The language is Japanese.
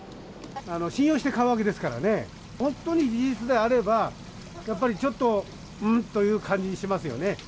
信用して買うわけですからね、本当に事実であれば、やっぱりちょっと、ん？という感じがしますよね。